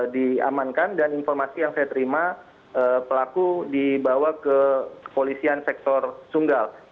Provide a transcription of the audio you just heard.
diamankan dan informasi yang saya terima pelaku dibawa ke kepolisian sektor sunggal